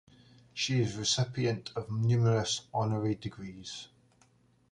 She is the recipient of numerous honorary degrees.